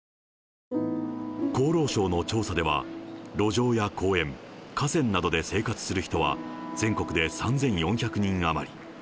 厚労省の調査では、路上や公園、河川などで生活する人は、全国で３４００人余り。